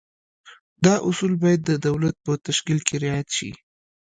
دا اصول باید د دولت په تشکیل کې رعایت شي.